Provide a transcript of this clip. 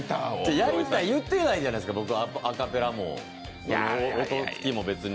やりたい言うてないじゃないですか、アカペラも音つきも別に。